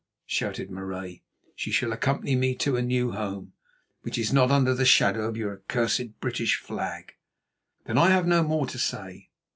shouted Marais. "She shall accompany me to a new home, which is not under the shadow of your accursed British flag." "Then I have no more to say.